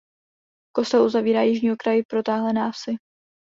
Kostel uzavírá jižní okraj protáhlé návsi.